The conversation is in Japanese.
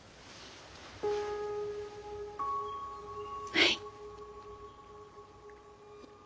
はい。